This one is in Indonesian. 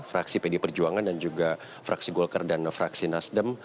fraksi pd perjuangan dan juga fraksi golkar dan fraksi nasdem